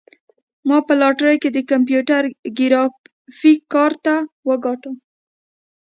ما په لاټرۍ کې د کمپیوټر ګرافیک کارت وګاټه.